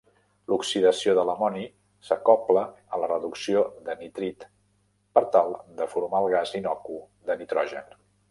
L'oxidació de l'amoni s'acobla a la reducció de nitrit per tal de formar el gas innocu dinitrogen.